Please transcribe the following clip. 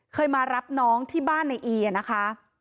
เคยมารับน้องที่บ้านในอีนะคะ